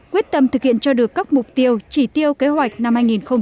quyết tâm thực hiện cho được các mục tiêu chỉ tiêu kế hoạch năm hai nghìn một mươi chín